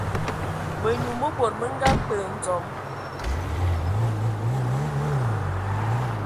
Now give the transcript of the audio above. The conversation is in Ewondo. Mənyu mə bod mə nga kpe ndzom.